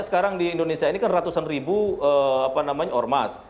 kalau di indonesia ini kan ratusan ribu apa namanya ormas